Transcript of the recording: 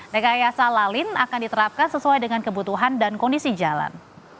rekayasa lalin akan diterapkan sesuai dengan kebutuhan dan kondisi jalan